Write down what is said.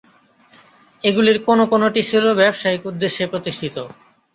এগুলির কোনো কোনোটি ছিল ব্যবসায়িক উদ্দেশ্যে প্রতিষ্ঠিত।